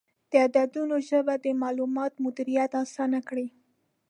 د عددونو ژبه د معلوماتو مدیریت اسانه کړ.